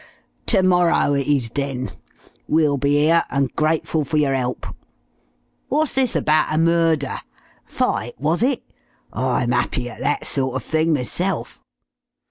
Ter morrow it is, then. We'll be 'ere and grateful for yer 'elp.... Wot's this abaht a murder? Fight was it? I'm 'appy at that sort of thing myself."